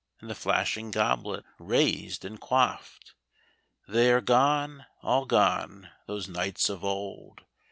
And the flashing goblet raised and quaffed. They are gone, all gone, those knights of old.